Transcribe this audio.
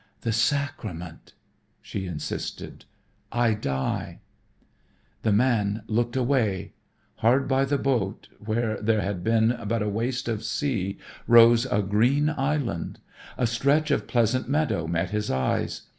"The sacrament," she insisted, "I die." The man looked away. Hard by the boat where there had been but a waste of sea rose a green island. A stretch of pleasant meadow met his eyes.